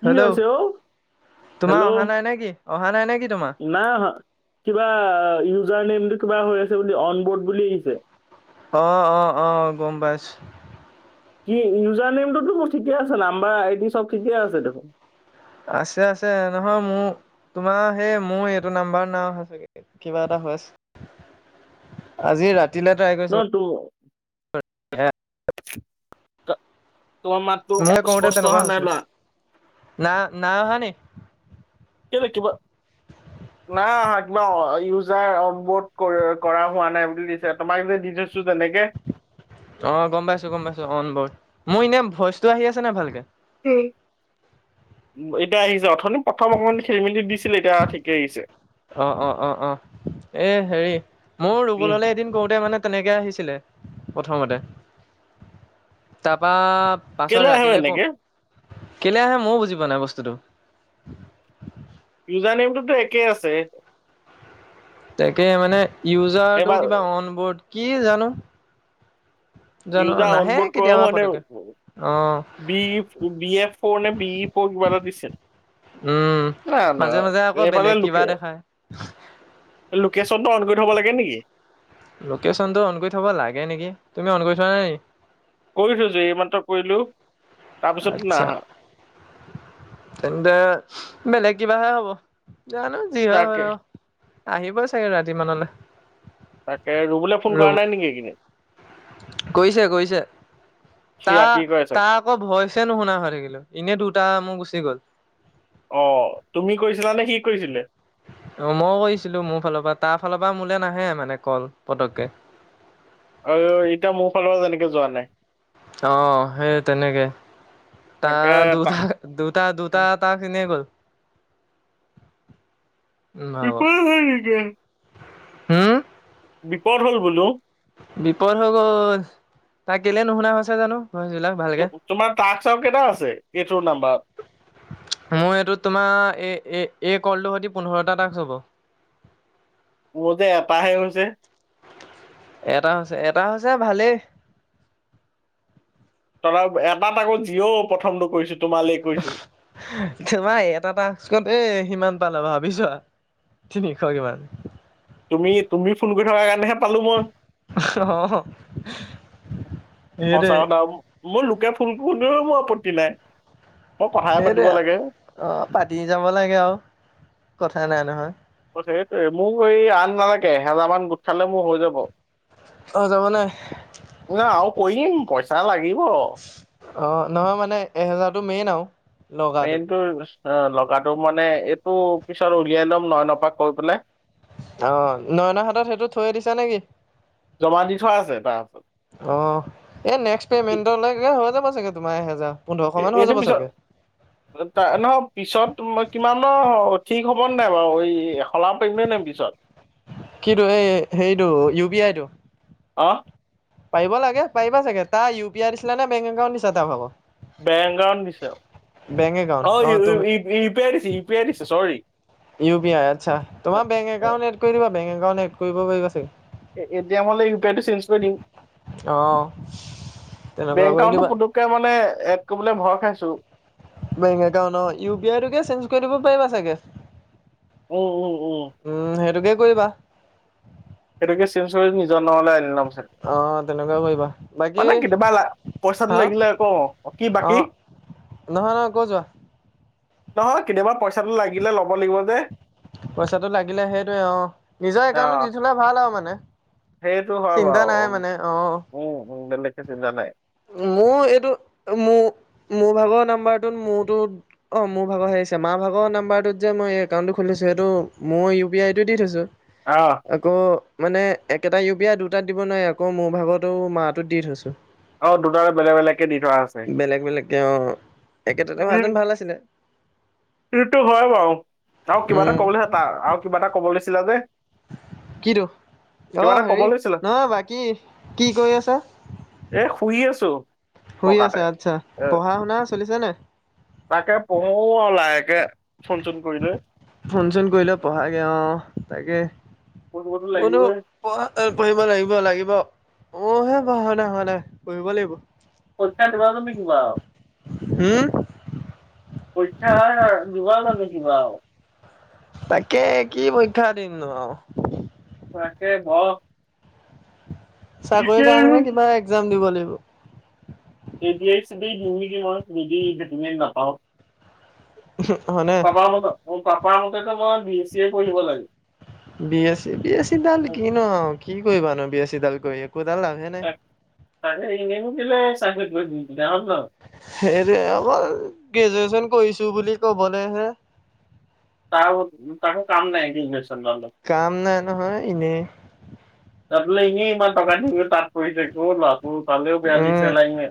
কি আ হেল্ল' হৈছে অঔ তোমাৰ হেল্ল' অহা নাই নে কি অহা নাই নে কি তোমাৰ নাই কিবা ইউজাৰ নমটো কিবা হৈ আছে বুলি অন বোৰ্ড বুলি আহিছে আহ আহ আহ গম পাইছ কি ইউজাৰ নমটোতো মোৰ ঠিকে আছে নাম্বাৰ এট চব ঠিকে আছে দেখোন আছে আছে নহয় মোৰ তোমাৰ সেই মোৰ এইটো নাম্বাৰ নাও চাগে কিবা এটা আজি ৰাতিলে ট্ৰাই ন কৰিছোাৰু তোৰ হ ত মইে কওঁতে তেনেকুৱা হৈছিলে না না অহা নে লকিব নাই অা কিবা ইউজাৰ অন বোড কৰা হোৱা নাই বুলি দিছে তোমাক যে দি ছ তেনেেকে অ গম পাইছো গম পাইছো অন ব মোৰ এনে ভইচটো আহি আছে নে ভালকে এতিয়া আহিছে অথনি প্ৰথম অকণমান খেলি মেলি দিছিলে এতিয়া ঠিকে আহিছে অ অ অ অ এ হেৰি মোৰ উম ৰুবুললে এদিন কৰোতে মানে তেনেকে আহিছিলে প্ৰথমতে তাৰপা পাছত কেলে আহে ৰাতিলে ক এনেকে কেলৈ আহে ময়ও বুজি পোৱা নাই বস্তুটো চুজা নেমটোতো একেই আছে তাকে মানে ইউজাৰটো এবাৰ কিবা অনবৰ্ড কি জানো জানো ইউজা অন নাহে বোৰ্ড কৰা কেতিয়াবা হয়োৱা পতকে অ নাই বি এ ফ ন বি পৰিবা দিছিল। উম না না মাজে মাজে আকৌ এইফালে বেলেগ লোকে কিবা দেখায় লোকেশচনটো অন কৰি থব লাগে নেকি? লোকেশচন টো অন কৰি থব লাগে নেকি তুমি অন কৰি থোৱা নাই। কৰিছো যে এইমাত্ৰ কৰিলো তাৰপিছত আটচা নাহা তেন্তে বেলেগ কিবাহে হ'ব জানো যি হয় হ'ল তাকে আৰু আহিবই চাগে ৰাতি মানলৈ। তাকে ৰুবলৈ ফোন কৰা নাই নেকি এইখিননে কৰিছে কৰিছে সি তাৰ ৰাতি কৰে চাগে তাৰ আকৌ ভয়ছে ন শুনা হৈ থাকিলো এনেই দুটা মোৰ গুচি গ'ল অ'তুমি কৰিছিলা নে সি কৰিছিলে অ মইও কৰিছিলো মোৰ ফালৰ পৰা তাৰ ফালৰ পৰা মোলে নাহে মানে কল পতককে হয়। আৰু এতিয়া মোৰ ফালৰ পৰা যেনেকে যোৱা নাই অ 'সেই তেনেকে ত তাকে তাক দুটা দুটা দুটা ত চিনিয় গ'ল। উম হ'ব বিপাল হয় নেকি? হম বিপদ হ'ল বোলো। বিপদ হৈ গ'ল ত কেলে নুশুনা হৈছে জানো। ভইচ বিলাক ভালকে তোমাৰ তাক চাও কেইটা আছে কেটোৰ নাম্বাৰ মোৰ এইটো তোমাৰ এ-এ এই কলটো সৈতে পোন্ধৰটা টাক্স হব। মোৰ যে এটাহে হৈ। এটা হৈছে, এটা হৈছে ভালেই। [unintelligible] এটা আকৌ জিঅ' প্ৰথমটো কৰিছোঁ। তোমাৰ এটা টাক্স কৰোঁতেই সিমান পালা। ভাবি চোৱা তিনিশ কিমান তুমি-তুমি ফোন কৰি থকাৰ কাৰণেহে পালো মই। অহ -হ - হ। সঁচাকথা। মোৰ লোকে ফোন কৰোতেও মোৰ আপত্তি নাই। মই কথাহে এইটো পাতিব লাগে মই আৰু। পাতি যাব লাগে আৰু কথা নাই নহয়। সেইটোৱে মোক এই আন নালাগে। এহেজাৰ মান গোট খালে মোৰ হৈ যাব। অ যাব নাই মই যে আৰু কৰিম পইচা লাগিব। অ নহয় মানে এহেজাৰতো মেইন আৰু। লগাটো পেইনটো লগাটো মানে, এইটো পিছত উলিয়াই লম নয়নৰ পৰা কৈ পেলাই। আহ নয়ন হাতত সেইটো থৈয়ে দিছা নেকি? জমা দি থোৱা আছে তাৰপিছত অ'। এই নেক্সট পেমেণ্টলৈকে হৈ যাব চাগে তোমাৰ এহেজাৰ। পোন্ধৰশ মান হৈ এইটো যাব পিছত, চাগে। তাৰ নহয় পিছত টো কিমানৰ ঠিক হ'বনে নাই বাৰু? এই সলাব পাৰিম নাই পিছত। কিটো? এই হেৰিটো ইউ পি আইটো? আহ। পাৰিব লাগে পাৰিবা চাগে। তাৰ ইউ পি আই দিছিলা নে বেংক একাউণ্ট দিছা তাৰ ভাগৰ? বেঙ্ক একাউণ্ট দিছে। বেংক একাউণ্ট অ' ইউ তুমি -ই -ই ইউ পি আই দিছোঁ ইউ পি আই দিছোঁ। চ'ৰী। ইউ পি আই, আচ্ছা। তোমাৰ বেঙ্ক একাউন্ট এড কৰি দিবা। বেংক একাউণ্ট এড কৰিব পাৰিবা চাগে। এ এতি এম হলে ইউ পি আইটো চেঞ্জ কৰি দিম। অ'। তেনেকুৱা বেংক কৰি একাউণ্টটো দিবা পুতুককে মানে এড কৰিবলৈ ভয় খাইছো। বেংক একাউন্ট অ', ইউ পি আই টোকে চেঞ্জ কৰি দিব পাৰিবা চাগে। উম উম উম। কৰিবা সেইটোকে চেঞ্জ কৰি নিজৰ নামলৈ আনি ল'ম। অ', তেনেকুৱা কৰিবা বাকী মানে কেতিয়াবা লা-পইচাটো হা লাগিলে আকৌ, কি বাকী? অ', নহয় নহয় কৈ যোৱা। নহয়, কেতিয়াবা পইচাটো লাগিলে ল'ব লাগিব যে। পইচাটো লাগিলে সেইটোৱে অ', নিজৰ একাউণ্টটো অ', দি থ'লে ভাল আৰু মানে। সেইটো হয় চিন্তা বাৰু নাই মানে, অ'। উম, উম, বেলেগকে চিন্তা নাই। মোৰ এইটো মোৰ-মোৰ ভাগত নাম্বাৰটোত মোৰোটোত, অ' মোৰ ভাগৰহে আহিছে, মাৰ ভাগৰ নাম্বাৰটোত যে মই এই একাউণ্টটো খুলি থৈছো সেইটো মোৰ ইউ পি আইটো দি থৈছোঁ। অ', আকৌ মানে একেটা ইউ পি আই দুটাত দিব নোৱাৰি, আকৌ মোৰ ভাগৰতো মাত টো দি থৈছো। অ', দুটাৰে বেলেগ বেলেগকে দি থোৱা আছে। বেলেগ বেলেগ কে অ', একেটাতে হোৱাহেঁতেন ভাল আছিলে। সেইতোটো হয় বাৰু, আৰু কিবা এটা উম ক'বলৈ তাৰ, আৰু কিবা এটা ক'ব লৈছিলা যে। কি টো, অ' কিবা এটা ক'ব হেৰি, লৈছিলা। নহয় বাকী কি কৰি আছা? এ শুই আছো শুই পকাতে আছা, আচ্ছা, এ পঢ়া শুনা চলিছে নাই? তাকে, পঢ়ো আৰু লাহেক ফোন চোন কৰি লৈ পঢ়াগে, অ', তাকে। পঢ়িবতো মইতো লাগিবই পঢ়া-পঢ়িব লাগিব- লাগিব। মোৰ হে পঢ়া শুনা হোৱা নাই, পঢ়িব লাগিব। পৰীক্ষা কিমান [unintelligible] আৰু। উম? পৰীক্ষা হয় নহয়, [unintelligible] আৰু। তাকে, কি পৰীক্ষা দিম নো‌‌ আৰু। তাকে ঘ [unintelligible] চাকৰি কাৰণেহে কিবা এগজাম দিব লাগিব। এ ডি আৰ ই-চে দি আৰ ই দিওঁ নেকি মই, নিদিওঁ, এ-নাপাওঁ। হয়নে পাপাৰ মতে-মোৰ পাপাৰ মতে টো মই বি এছ চি এ পঢ়িব‌ লাগে। B A C, B A C ডাল কি নো আৰু, কি কৰিবা নো বি এ চি ডাল কৰি। একোডাল লাভে নাই তাক-তাকেই এনেই নো কে'লে [unintelligible] সেইটোৱেই, অকল গ্ৰেজুৱেচন কৰিছো বুলি ক'বলৈহে। তাকো-তাকো কাম নাই এইটো ইউনিভাৰচ কাম নাই নহয়, এনেই। তাত বোলে ইনেই ইমান টকা দি তাত পঢ়ি থাকিবও নোৱাৰো উম,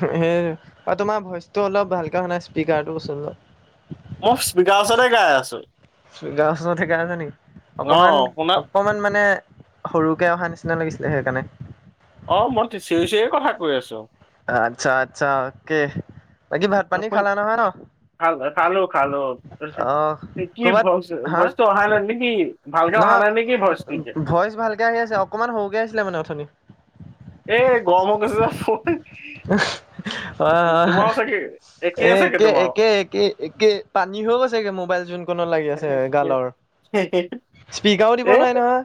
সেই অ' তোমাৰ ভইচ টো অলপ ভালকে অহা নাই, স্পীকাৰটো ওচৰত লোৱা। মই স্পীকাৰ ওচৰতে গাই আছো। স্পীকাৰ ওচৰতে গৈ আছা নেকি, অ শুনা অকমাণ-অকমান মানে সৰুকে অহা নিচিনা লাগিছিলে সেইকাৰণে। অ', মই চিঞৰি চিঞৰিয়ে কথা কৈ আছো। আচ্ছা আচ্ছা, অ'কে। বাকী ভাত পানী [unintelligible] খালা নহয় ন? খালো খালো। গাৰ্লফ্ৰেণ্ড, অহ কি কৰ'বাত হা ভইচ-ভইচটো আহা নাই নে কি? নহয়, ভইচ ভালকে আহি আছে, অকমান সৰুকে আহিছিলে মানে অথনি এ গৰমত [unintelligible] [unintelligible] হয়, হয়,, চাগে এ একেই চাগে একে তোমাৰো একে একে একে পানী হৈ গৈছেগে মোবাই জোনকনত লাগি এ আছে গালৰ, স্পীকাৰো দিব নোৱাৰি নহয়।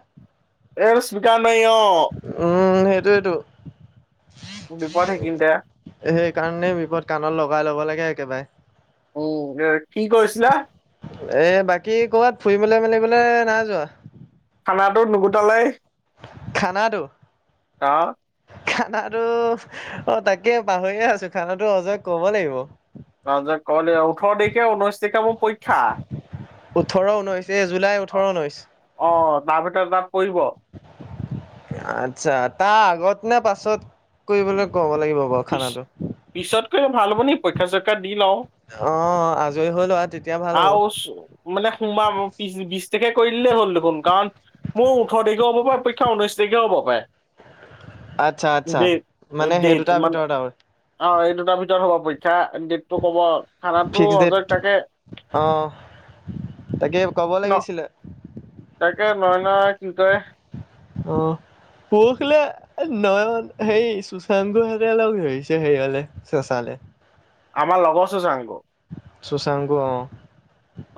এইটো স্পীকাৰ নাই অ, উম, সেইটোৱেইটো। বিপদ সেইখিনিতে সেইকাৰণে বিপদ কাণত লগাই লব লাগে একেবাৰে। উম, কি কৰছিলা? এ বাকী ক'বাত ফুৰিবলৈ মেলিবলে নাই যোৱা? [unintelligible] নুগুটালেই। খানাটো। অ', খানাটো অ, তাকে পাহৰিয়ে আছো খানাটো অজয়ক কব লাগিব। অজয়ক ক'ব লাগিব ওঠৰ তাৰিখে ঊনৈশ তাৰিখে মোৰ পৰীক্ষা। ওঠৰ ঊনৈশ এ জুলাই ওঠৰ ঊনৈছ। অ তাৰ ভিতৰত তাত পৰিব আতছা তাৰ আগত নে পাছত কৰিবলৈ কব লাগিব বাৰু খানাটো পি-পিছতকৈ ভাল হ'ব নি পৰিক্ষা- চৰিক্ষা দি লওঁ। অ আজৰি হৈ লোৱা তেতিয়া ভাল হ'ব। আৰু মানে সোমবাৰ‌ পি-বিশ তাৰিখে কৰি দিলেই হ'ল দেখোন কাৰণ মোৰ ওঠৰ তাৰিখেও হ'ব পাৰে পৰীক্ষা ঊনৈশ তাৰিখেও হ'ব পাৰে। আচ্ছা আচ্ছা ডেট মানে সেই ডেট দুটাৰ ভিত মানে অ', এই দুটাৰ ভিতৰত হ'ব পৰীক্ষা ডেটটো কব খানাটো ফিক্স ডেট অজয়ক তাকে অ, তাকে ক'ব ন লাগিছিলে। তাকে [unintelligible] অ', পুৰখিলে নয়ন হেৰি সুসংগুহঁতে লগ ধৰিছে হেৰিয়লে চেচালে লে। আমাৰ লগৰ সুশংগু। সুসংগ অ',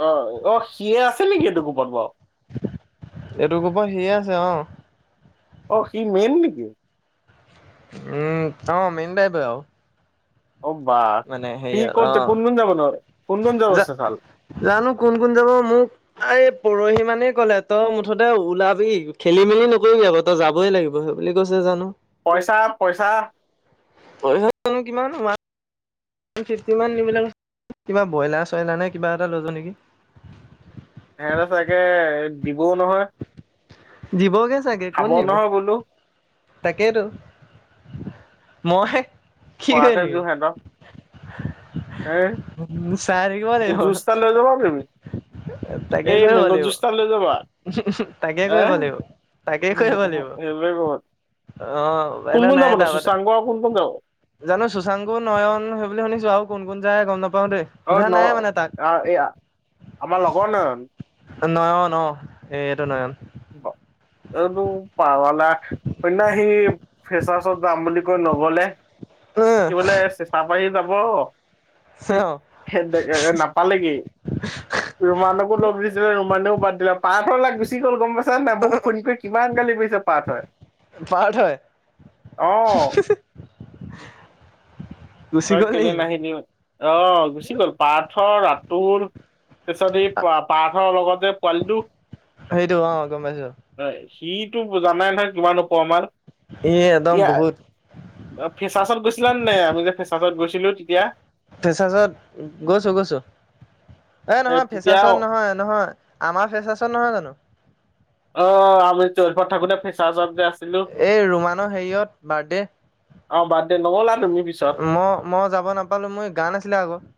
অ', অ', সিয়ে আছিল নেকি ডিব্ৰুগড়ত বাৰু? এইটো গ্ৰুপত সিয়ে অ', অ', সি মেইন নেকি? উম, অ', মেইন টাইপ এ আৰু। অ', বাাহ মানে সি হেৰিয়াত কত যাব অ', কোন কোন যাব ন কোন কোন যাব জা চেচালে? জানো কোন কোন যাব মোক এই পৰহি মানেই ক'লে তই মুঠতে ওলাবি খেলি মেলি নকৰিবি আকৌ তই যাবই লাগিব সেই বুলি কৈছে জানো। পইচা পইচা? ৱান ফিফটি মান নিবলে [unintelligible] কিবা ব্ৰইলাৰ চইলাৰ নে কিবা এটা লৈ যাওঁ নেকি? সিহঁতে চাগে দিবও নহয়। দিবগে চাগে খাব ক'ত নিব নহয় বোলো। তাকেইতো মই কি খোৱাতহে কৰি জোৰ সিহঁতৰ এ থাকিম চাই জুচ থাকিম। এটা লৈ যাবা তুমি [unintelligible] তাকে এই কৰিব মেংগ লাগিব জুচ এটা লৈ যাবা তাকে তাকে এ কৰিব লাগিব তাকে কৰিব লাগিব সেইবোৰে কব অ', কোন এনেও কোন নাই যাব নো তাৰবাদে। সুচাংগ আৰু কোন কোন যাব জানো সুসাংকু নয়ন সেই বুলি শুনিছো আৰু কোন কোন যায় গম নাপাও [unintelligible] অ সোধা ন নাই মানে তাক। আ- এই আ- আমাৰ লগৰ নয়ন নয়ন অ', এইটো নয়ন। বা এইটো পাৱালা হৈদিনা সি ফেঁচাচচ যাম বুলি কৈ নগলে। সি বোলে চেচা [unintelligible] যাব। অ দে নাপালেগে। ৰুমানকো লগ দিছিলে ৰুমানেও বাদ দিলে পাৰ্থ [unintelligible] গুচি গল গম পাই মোক ফোন কৰি কিমান গালি পাৰিছে পার্থ এই। পাৰ্থ হয়। [unintelligible] গুচি তই গ'ল নি কেলে নাহিলি অহ গুচি গ'ল পাৰ্থ ৰাতুল। তাৰপিছত এই পাহাৰ খনৰ লগতে পোৱালিটো সেইটো অ গম পাইছো হয়। সিটো জানাই নহয় কিমান ওপৰৰ মাল। ই একদম এতিয়া বহুত ফেঁচাচত গৈছিলা নে নাই আমি যে ফেচ। পাছত গৈছিলোঁ তেতিয়া। ফেচাচত গৈছোঁ গৈছোঁ।। এ নহয় তেতিয়া ফেচাচত অ নহয় নহয় আমাৰ ফেচাচত নহয় জানো। অ আমি [unintelligible] থাকোঁতে ফেচাচত যে। আছিলো এই ৰুমানৰ হেৰিয়ত বাৰ্থডে। অ বাদ দে নগ'লা তুমি পিছত মই মই যাব নাপালোঁ মই গা নাছিলে আগত।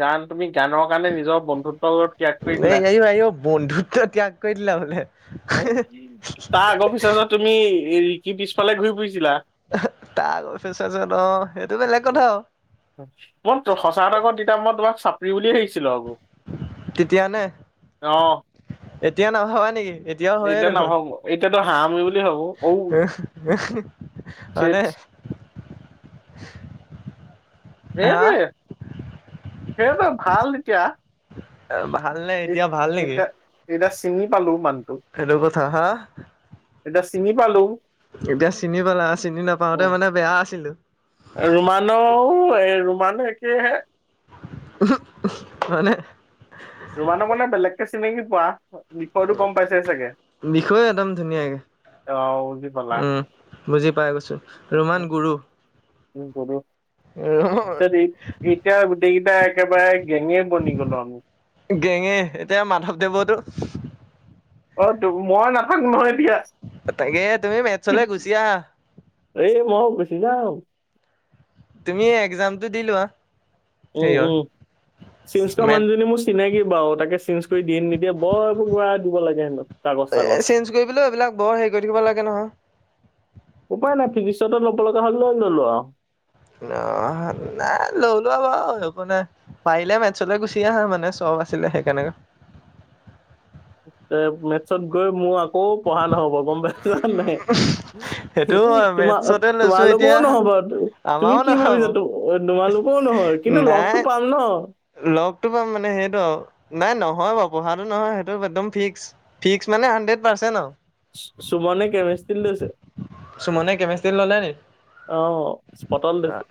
গান তুমি। গানৰ কাৰণে নিজৰ বন্ধুত্ববোৰত ত্যাগ কৰি দিলা। এই আই আই বন্ধুত্ব ত্যাগ কৰি দিলা বোলে [unintelligible] তাৰ আগৰ ফ্ৰেছাৰ্ছত তুমি এই ৰিকি পিছফালে ঘূৰি ফুৰি। তাৰ অফেচোজ চাচোন অ সেইটো বেলেগ কথা। মই সঁচা কওঁ তেতিয়া মই তোমাক চাপৰি বুলিয়ে ভাবিছিলো আকৌ। তেতিয়ানে অ এতিয়া নভবা নেকি। এতিয়াও হয়ে এতিয়া দেখোন নাভাবো এতিয়াতো হাঁহামি বুলি ভাবো ঔ চেট হয়নে। [inaudible] হা এইটোৱে সেইটো ভাল এতিয়া। এ ভাল নে এতিয়া এই- ভাল নেকি। এতিয়া এতিয়া চিনি পালোঁ মানু। সেইটো কথা হা। এতিয়া চিনি পালোঁ। এতিয়া চিনি পালা চিনি নাপাওঁতে মানে বেয়া আছিলো। ৰুমানো এই ৰুমান একেইহে। মানে। ৰুমানক মানে বেলেগকে চিনাকি পোৱা। বিষয়টো গম পাইছে চাগে। বিষয় একদম [unintelligible] ধুনীয়াকে অ উ বুজি পালা। উম বুজি পাই গৈছো ৰোমান [unintelligible] গুৰু উম [unintelligible] এতিয়া গোটেইকেইটা একেবাৰে। গেঙে বনি গলো আমি গেঙে এতিয়া মাধৱদেৱতো। অ'তো মই নাথাকো নহয়। তাকে তুমি মেথছলে গুচি [unintelligible] আহা এই ম‌ই গুছি যাম। তুমি এক্সামটো দি লোৱা। উম হেৰিয়ৰ উম [unintelligible] মেথ মানুহজনী মোৰ চিনাকি বাৰু তাকে চি। দিয়ে নিদিয়ে বোৰ [unintelligible] দিব লাগে হেনো কাগজ চাগজ। চেঞ্জ কৰিবলৈ এইবিলাক বৰ হেৰি কৰি থাকিব লাগে নহয় উপায় নাই ফিজিক্সতে ল'ব লগা হ'ল লৈ ল'লো আৰু। অ নাই ল‌ই লোৱা বাৰু একো নাই পাৰিলে মেটছলৈ গুচি আহা মানে চব। আছিলে সেইকাৰণে। মেটছত গৈ মোৰ আক। আকৌ পঢ়া নহব গম পাইছোঁ নে সেইটো নাই হয় তোমাৰ মেথছতে লৈছো এতিয়া তোমালোকৰোও নহব। তুমি আমাৰো কি নহ'ব। ভাবিছা তোমালোকৰও নহয় কিন্তু নাই লগটো পাম নহ। [inaudible] নাই নহয় বাৰু পঢ়াটো নহয় সেইটো একদম ফিক্স ফিক্স মানে হাণ্ড্ৰেত পাৰ্চেণ্ট আৰু। সুমনে কেমিষ্ট্ৰ্ৰীত লৈছে। সুমনে কেমেষ্ট্ৰী ল'লে নি। অ' স্পতত লৈছে।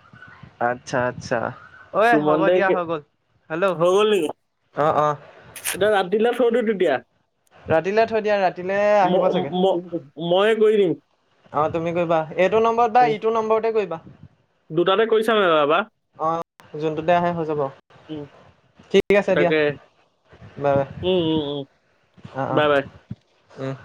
আচ্ছা আচ্ছা ঐ সুমন হ'ব দে দিয়া কে- হৈ গ'ল হেল্ল' অ অ। এটো ৰাদিল্লাৰ। [unintelligible] ৰাতিলৈ থৈ দিয়া ৰাতিলৈ আহিব চাগে ম- ময়ে কৰি দিম অ তুমি কৰিবা এইটো নম্বৰত বা ইটো নম্বৰতে কৰিবা দুটাতে কৰিছা নাই বাবা অ' যোনটোতে আহে হৈ যাব ঠিক আছে দিয়া তাকে উম উম উম অ' অ বাই বাই। উম